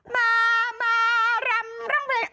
มามารำรำเพลง